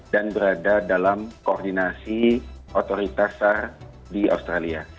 dan berada dalam koordinasi otoritas sar di australia